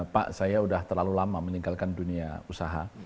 pak saya sudah terlalu lama meninggalkan dunia usaha